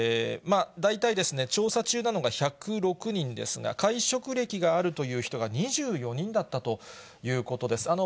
大体ですね、調査中なのが１０６人ですが、会食歴があるという人が２４人だったということです。